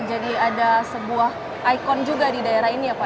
jadi ada sebuah ikon juga di daerah ini ya